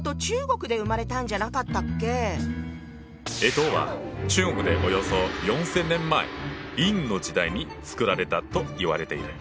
干支は中国でおよそ４，０００年前殷の時代に作られたといわれている。